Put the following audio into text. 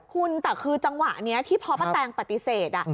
คุณแต่คือจังหวะนี้ที่พอป้าแตงปฏิเสธ